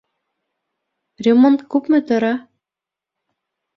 Ремонт күпме тора?